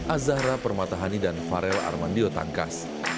azahra permatahani dan farel armandio tangkas